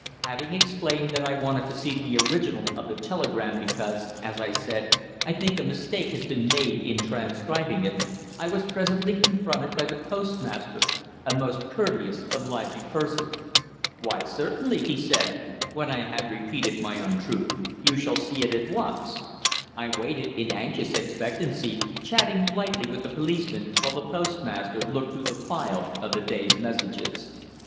Having explained that I wanted to see the original of the telegram "because," as I said, "I think a mistake has been made in transcribing it," I was presently confronted by the postmaster, a most courteous, obliging person. "Why, certainly," he said, when I had repeated my untruth. "You shall see it at once." I waited in anxious expectancy, chatting lightly with the policeman, while the postmaster looked through the file of the day's messages.